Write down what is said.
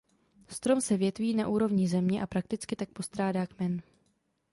Strom se větví na úrovni země a prakticky tak postrádá kmen.